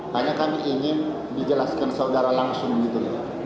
hanya kami ingin dijelaskan saudara langsung gitu loh